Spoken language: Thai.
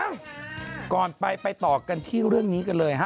ก่อนไปไปต่อกันที่เรื่องนี้กันเลยฮะ